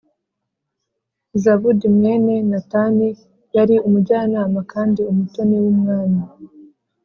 Zabudi mwene Natani yari umujyanama kandi umutoni w’umwami